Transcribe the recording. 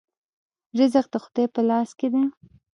رزق د خدای په لاس کې دی